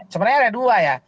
sebenarnya ada dua ya